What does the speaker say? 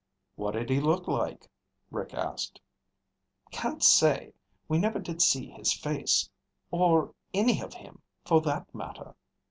"What did he look like?" Rick asked. "Can't say. We never did see his face. Or any of him, for that matter.